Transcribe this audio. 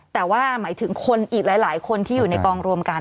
แต่ว่าหมายถึงคนอีกหลายคนที่อยู่ในกองรวมกัน